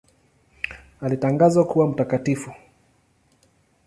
Alitangazwa kuwa mtakatifu.